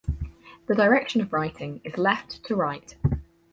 The direction of writing is left to right.